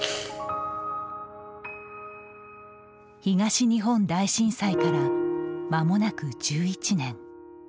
東日本大震災からまもなく１１年。